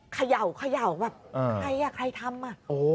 เขย่าแบบใครอ่ะใครทำอ่ะ